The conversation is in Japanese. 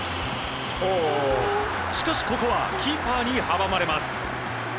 しかし、ここはキーパーに阻まれます。